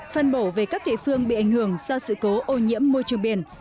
phân bổ về các địa phương bị ảnh hưởng do sự cố ô nhiễm môi trường biển